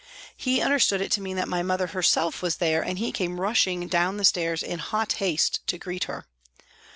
He understood it to mean that mother herself was there, and he came rushing down the stairs in hot haste to greet her